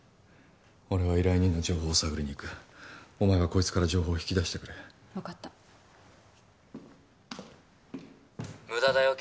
俺は依頼人の情報を探りに行くお前はこいつから情報を引き出してくれ分かった無駄だよ